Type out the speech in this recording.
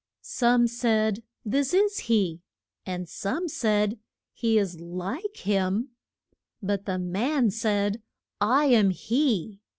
Some said, This is he; and some said, He is like him; but the man said, I am he.